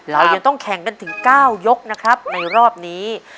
เรายังต้องแข่งกันถึง๙ยกนะครับในรอบนี้